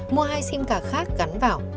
mua hai sim card khác gắn vào